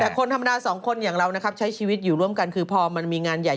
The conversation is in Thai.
แต่คนธรรมดาสองคนอย่างเรานะครับใช้ชีวิตอยู่ร่วมกันคือพอมันมีงานใหญ่